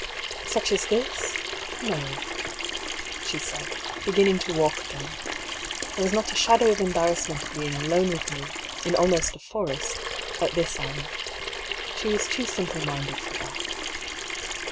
"Such as this? No," she said, beginning to walk again. There was not a shadow of embarrassment at being alone with me, in almost a forest, at this hour. She is too simple minded for that.